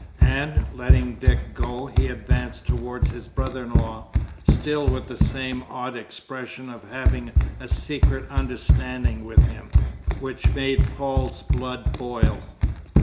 And, letting Dick go, he advanced towards his brother in law, still with the same odd expression of having a secret understanding with him, which made Paul's blood boil.